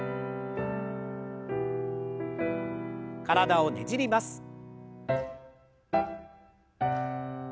体をねじります。